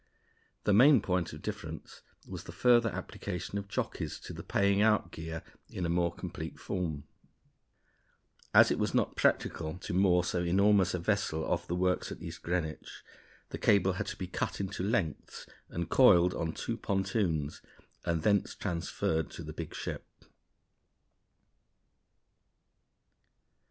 The main point of difference was the further application of jockeys to the paying out gear in a more complete form. As it was not practicable to moor so enormous a vessel off the works at East Greenwich, the cable had to be cut into lengths and coiled on two pontoons, and thence transferred to the big ship.